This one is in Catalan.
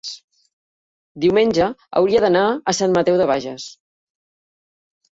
diumenge hauria d'anar a Sant Mateu de Bages.